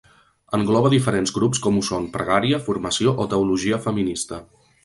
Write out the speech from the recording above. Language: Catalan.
Engloba diferents grups com ho són Pregària, Formació o Teologia feminista.